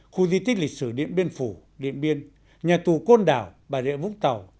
khu di tích lịch sử điện biên phủ điện biên nhà tù côn đảo bà rịa vũng tàu